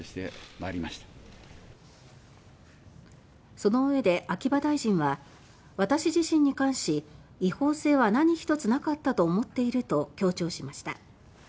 そのうえで秋葉大臣は「私自身に関し違法性は何ひとつ無かったと思っている」と強調しました。